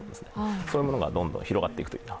そういうものがどんどん広がっていくといいなと。